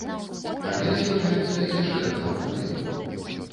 Але з'яўляецца яшчэ адна праблема.